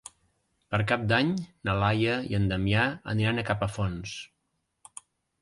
Per Cap d'Any na Laia i en Damià aniran a Capafonts.